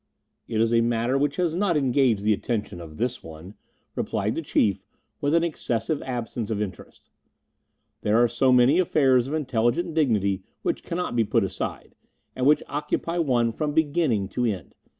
"It is a matter which has not engaged the attention of this one," replied the Chief, with an excessive absence of interest. "There are so many affairs of intelligent dignity which cannot be put aside, and which occupy one from beginning to end.